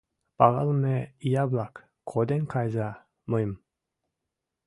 — Пагалыме ия-влак, коден кайыза мыйым!